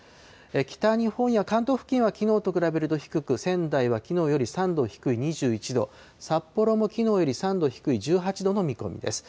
北日本や関東付近はきのうと比べると低く、仙台はきのうより３度低い２１度、札幌もきのうより３度低い１８度の見込みです。